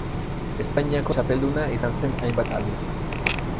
Espainiako txapelduna izan zen hainbat aldiz.